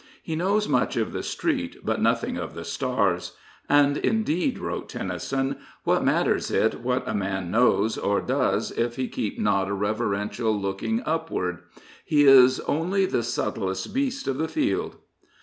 He knows much of the street, but nothing of the stars. " And indeed," wrote Tennyson, " what matters it what a man knows or does if he keep not a reverential looking upward? He is only the subtlest beast of the field."